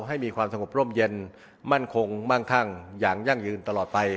ให้มีความสงบร่มเย็นมั่นคงมั่งคั่งอย่างยั่งยืนตลอดไป